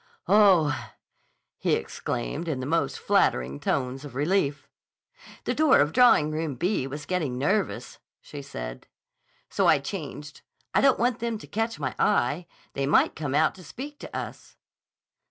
"Oh!" he exclaimed in the most flattering tones of relief. "The door of Drawing Room B was getting nervous," she said. "So I changed. I don't want them to catch my eye. They might come out to speak to us."